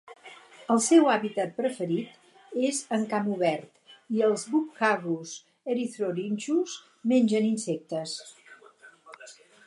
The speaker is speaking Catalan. El seu hàbitat preferit és en camp obert, i els Buphagus erythrorynchus mengen insectes.